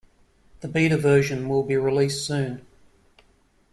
The Beta version will be released soon.